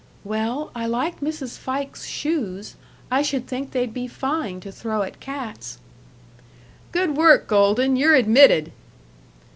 "Well, I like Mrs. Fike's shoes. I should think they'd be fine to throw at cats." "Good work, Golden. You're admitted!"